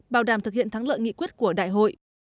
bào đàm thực hiện thắng lợi nghị quyết của đại hội